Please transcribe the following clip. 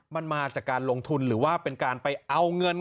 มันมาจากการลงทุนหรือว่าเป็นการไปเอาเงิน